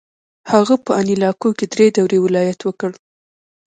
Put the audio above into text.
هغه په انیلاکو کې درې دورې ولایت وکړ.